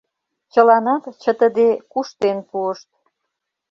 Чыланат, чытыде, куштен пуышт.